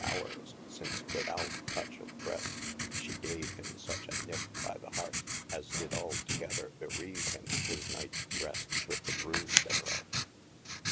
houres, since without touch of brest, she gave him such a nip by the harte, as did altogether bereave him his nightes rest with the bruse therof.